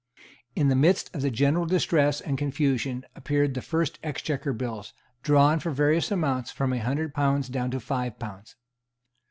In the midst of the general distress and confusion appeared the first Exchequer Bills, drawn for various amounts from a hundred pounds down to five pounds.